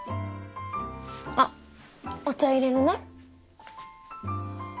あっお茶入れるね。